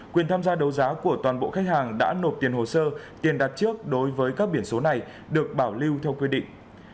quyền tham gia đấu giá của toàn bộ khách hàng đã nộp tiền hồ sơ tiền đặt trước đối với các biển số này được bảo lưu theo quy định